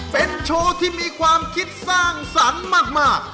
เป็นโชว์ที่มีความคิดสร้างสรรค์มาก